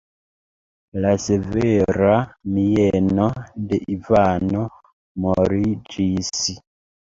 La severa mieno de Ivano moliĝis.